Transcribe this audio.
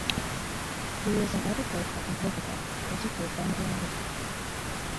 He is an avid golfer and poker player and also plays banjo and guitar.